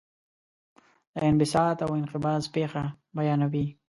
د انبساط او انقباض پېښه بیانوي.